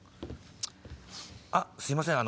あっすいません